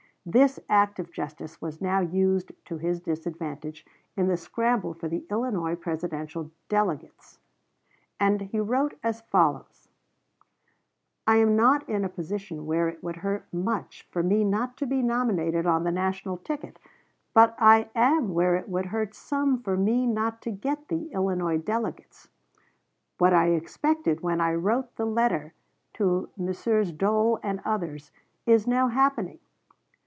This act of justice was now used to his disadvantage in the scramble for the Illinois Presidential delegates, and he wrote as follows: "I am not in a position where it would hurt much for me not to be nominated on the national ticket; but I am where it would hurt some for me not to get the Illinois delegates. What I expected when I wrote the letter to Messrs. Dole and others is now happening.